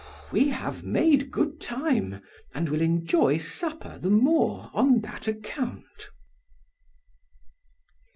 We have made good time and will enjoy supper the more on that account."